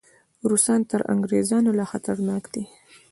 روسان تر انګریزانو لا خطرناک دي.